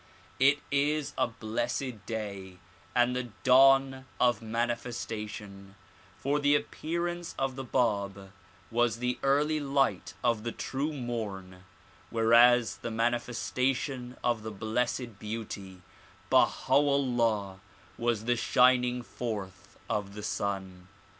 It is a blessed day and the dawn of mani festation, for the appearance of the Bab was the early light of the true morn whereas the manifestation of the Blessed Beauty Baha 'Ullah was the shining forth of the sun.